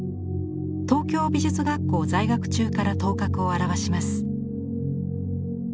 東京美術学校在学中から頭角を現します。